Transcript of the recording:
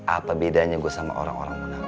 apa bedanya gua sama orang orang munafik